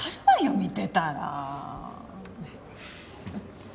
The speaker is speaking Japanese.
見てたら。